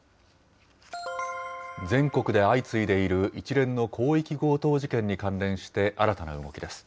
全国で相次いでいる一連の広域強盗事件に関連して、新たな動きです。